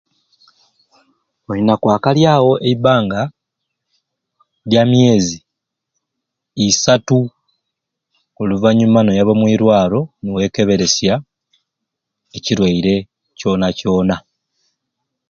Olina kwakalyawo eibanga lya myezi isatu oluvanyuma noyaba omwirwaro niwekeberesya ekirwaire kyoona kyoona.